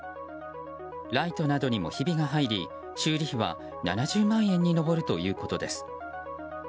ライトなどにもひびが入り修理費は７０万円に上るということです。